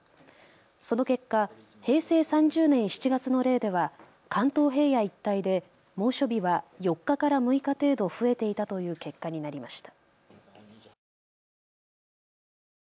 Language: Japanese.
その結果、平成３０年７月の例では関東平野一帯で猛暑日は４日から６日程度増えていたという結果になりました。